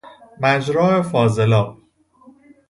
مجرا فاضل آب